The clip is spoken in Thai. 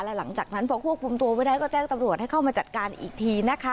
หลังจากนั้นพอควบคุมตัวไว้ได้ก็แจ้งตำรวจให้เข้ามาจัดการอีกทีนะคะ